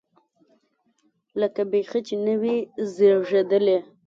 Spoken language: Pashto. لکه بيخي نه چې وي زېږېدلی.